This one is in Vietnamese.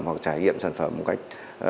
hoặc trải nghiệm sản phẩm một cách